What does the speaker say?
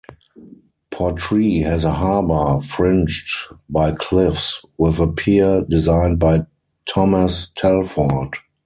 Portree has a harbour, fringed by cliffs, with a pier designed by Thomas Telford.